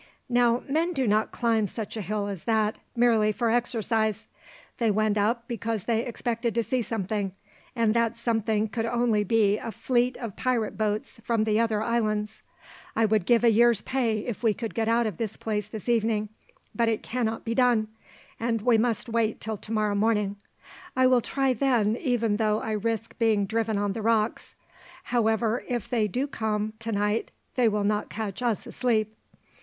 Now, men do not climb such a hill as that merely for exercise. They went up because they expected to see something, and that something could only be a fleet of pirate boats from the other islands. I would give a year's pay if we could get out of this place this evening, but it cannot be done, and we must wait till tomorrow morning. I will try then, even though I risk being driven on the rocks. However, if they do come tonight they will not catch us asleep."